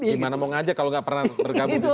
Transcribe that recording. gimana mau ngajak kalau gak pernah tergabung disitu